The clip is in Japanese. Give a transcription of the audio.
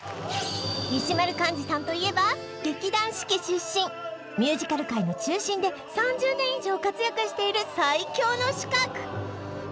石丸幹二さんといえば劇団四季出身ミュージカル界の中心で３０年以上活躍している最強の刺客